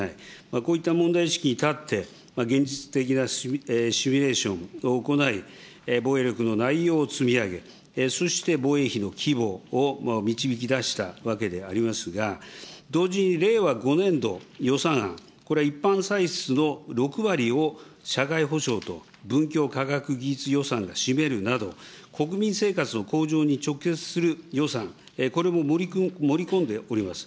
こういった問題意識に立って、現実的なシミュレーションを行い、防衛力の内容を積み上げ、そして防衛費の規模を導き出したわけでありますが、同時に令和５年度予算案、これは一般歳出６割を社会保障と文教科学技術予算が占めるなど、国民生活の向上に直結する予算、これも盛り込んでおります。